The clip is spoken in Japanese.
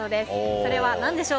それはなんでしょう？